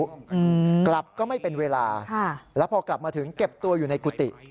อืมกลับก็ไม่เป็นเวลาค่ะแล้วพอกลับมาถึงเก็บตัวอยู่ในกุฏิ